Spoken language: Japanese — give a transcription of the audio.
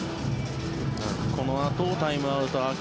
このあとタイムアウト明け